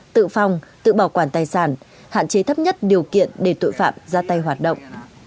tự phòng tự bảo quản tài sản hạn chế thấp nhất điều kiện để tội phạm ra tay hoạt động